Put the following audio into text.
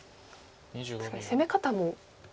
確かに攻め方も。